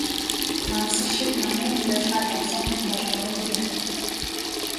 Нансал шиг намын уриалгаар явсан хүн бол дуун дээр...